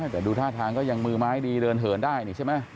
แต่ดูท่าทางก็ยังมือไม้ดีเดินเหินได้นี่ใช่ไหม